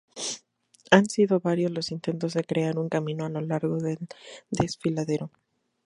Han sido varios los intentos de crear un camino a lo largo del desfiladero.